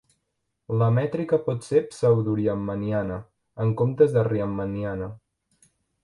La mètrica pot ser pseudoriemanniana, en comptes de riemanniana.